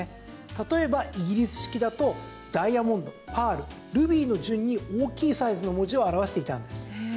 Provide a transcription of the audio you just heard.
例えばイギリス式だとダイヤモンド、パールルビーの順に大きいサイズの文字を表していたんです。